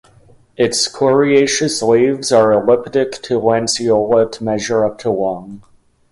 Its coriaceous leaves are elliptic to lanceolate measure up to long.